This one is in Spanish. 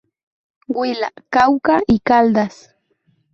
Huila, Cauca y Caldas.